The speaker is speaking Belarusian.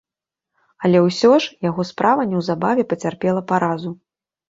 Але і ўсё ж, яго справа неўзабаве пацярпела паразу.